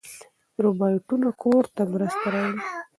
روباټونه کور ته مرسته راوړي.